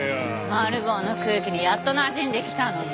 マル暴の空気にやっとなじんできたのに。